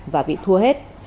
và bị thua hết